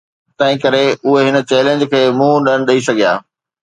تنهن ڪري اهي هن چئلينج کي منهن نه ڏئي سگهيا.